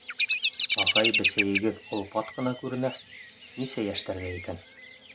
— Ағай, бесәйегеҙ олпат ҡына күренә, нисә йәштәрҙә икән?